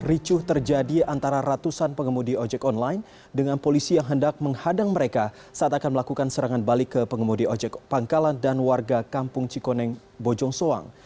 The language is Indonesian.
ricuh terjadi antara ratusan pengemudi ojek online dengan polisi yang hendak menghadang mereka saat akan melakukan serangan balik ke pengemudi ojek pangkalan dan warga kampung cikoneng bojong soang